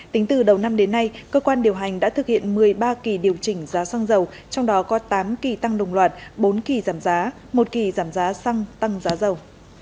tính từ đầu năm đến nay cơ quan điều hành đã thực hiện một mươi ba kỳ điều chỉnh giá xăng dầu trong đó có tám kỳ tăng đồng loạt bốn kỳ giảm giá một kỳ giảm giá xăng tăng giá dầu